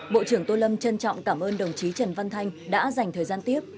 bộ trưởng tô lâm trân trọng cảm ơn đồng chí trần văn thanh đã dành thời gian tiếp